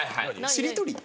「ちりとり」？